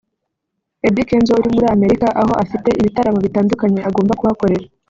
Eddy Kenzo uri muri Amerika aho afite ibitaramo bitandukanye agomba kuhakorera